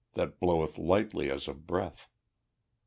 That bloweth lightly as a breath.